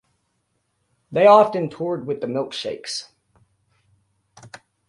They often toured with The Milkshakes.